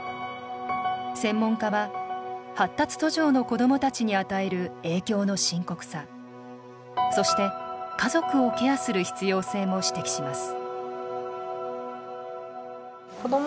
専門家は発達途上の子どもたちに与える影響の深刻さそして家族をケアする必要性も指摘します。